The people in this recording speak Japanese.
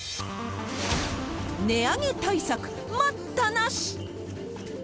値上げ対策、待ったなし。